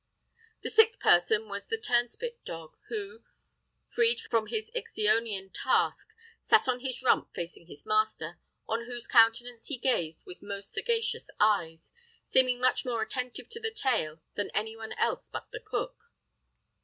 The sixth person was the turnspit dog, who, freed from his Ixionian task, sat on his rump facing his master, on whose countenance he gazed with most sagacious eyes, seeming much more attentive to the tale than any one else but the cook.